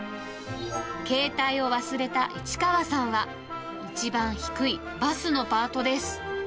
携帯を忘れた市川さんは、一番低いバスのパートです。